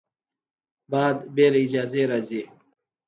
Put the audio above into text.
باد بې له اجازې راځي